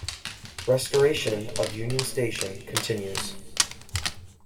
Restoration of Union Station continues.